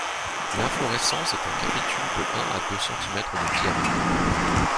L’inflorescence est un capitule de un à deux centimètres de diamètre.